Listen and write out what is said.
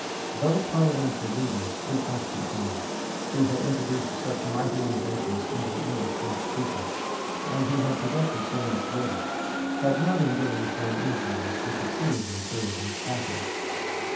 Those parliamentary leaders, it must be owned, who had introduced such mighty innovations into the English constitution, and who had projected so much greater, had not engaged in an enterprise which exceeded their courage and capacity.